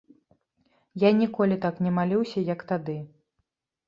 Я ніколі так не маліўся, як тады.